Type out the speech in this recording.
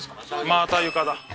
また床だ。